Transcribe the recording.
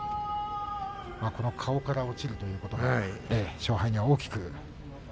この顔から落ちるということは勝敗に大きく。